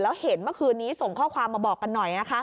แล้วเห็นเมื่อคืนนี้ส่งข้อความมาบอกกันหน่อย